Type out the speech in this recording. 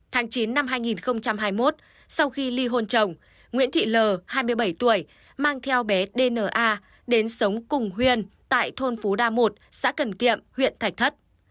tháng chín năm hai nghìn hai mươi một sau khi ly hôn chồng nguyễn thị l hai mươi bảy tuổi mang theo bé dna đến sống cùng huyền tại thôn phú đa một xã cần kiệm huyện thạch thất